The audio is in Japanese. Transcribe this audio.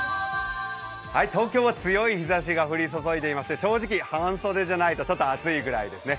東京は強い日ざしが降り注いでいまして、正直、半袖じゃないとちょっと暑いくらいですね。